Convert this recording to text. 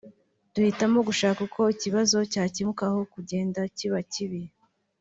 duhitamo gushaka uko ikibazo cyakemuka aho kugenda kiba kibi